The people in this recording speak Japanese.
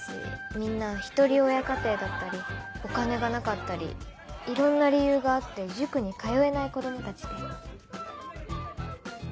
みんな一人親家庭だったりお金がなかったりいろんな理由があって塾に通えない子供たちで。